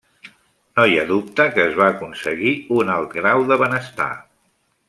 No hi ha dubte que es va aconseguir un alt grau de benestar.